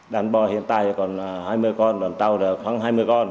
đàn bò hiện tại còn hai mươi con đòn tàu khoảng hai mươi con